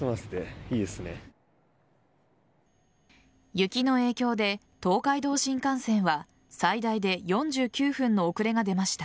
雪の影響で東海道新幹線は最大で４９分の遅れが出ました。